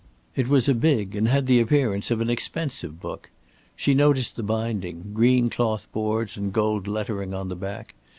It was a big, and had the appearance of an expensive, book. She noticed the binding green cloth boards and gold lettering on the back.